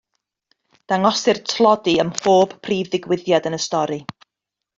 Dangosir tlodi ym mhob prif ddigwyddiad yn y stori.